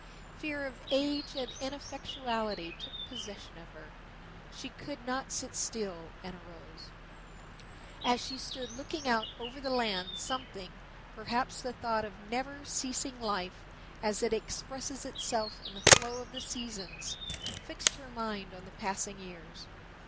Fear of age and ineffectuality took possession of her. She could not sit still, and arose. As she stood looking out over the land something, perhaps the thought of never ceasing life as it expresses itself in the flow of the seasons, fixed her mind on the passing years.